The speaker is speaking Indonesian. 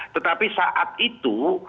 tetapi saat itu